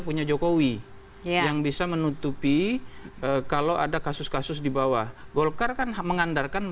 punya jokowi yang bisa menutupi kalau ada kasus kasus di bawah golkar kan mengandalkan